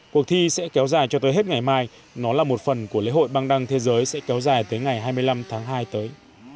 cuộc thi sẽ kéo dài cho tới hết ngày mai nó là một phần của lễ hội băng đăng thế giới sẽ kéo dài tới ngày hai mươi năm tháng hai tới